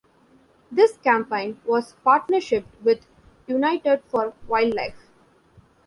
This campaign was partnershipped with United for Wildlife.